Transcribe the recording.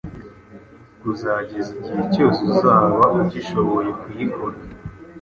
kuzageza igihe cyose uzaba ugishobora kuyikora.